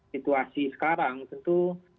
situasi sekarang tentu